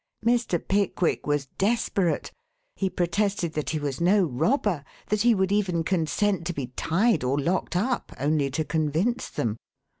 Mr. Pickwick was desperate. He protested that he was no robber that he would even consent to be tied or locked up, only to convince them.